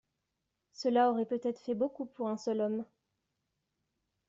Cela aurait peut-être fait beaucoup pour un seul homme.